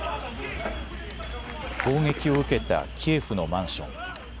砲撃を受けたキエフのマンション。